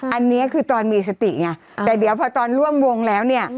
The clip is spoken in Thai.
อันนี้คือตอนมีสติไงแต่เดี๋ยวพอตอนร่วมวงแล้วเนี่ย